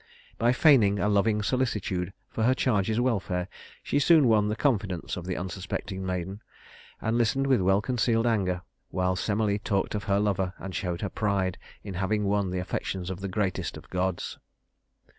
By feigning a loving solicitude for her charge's welfare, she soon won the confidence of the unsuspecting maiden, and listened with well concealed anger while Semele talked of her lover and showed her pride in having won the affections of the greatest of gods.